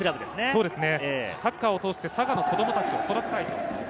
サッカーを通して佐賀の子供たちを育てたい。